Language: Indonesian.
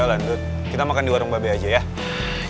ayo lah dut kita makan di warung babe aja yah